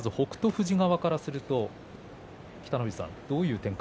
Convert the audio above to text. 富士側からすると北の富士さん